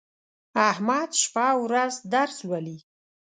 احمد شپه او ورځ درس لولي.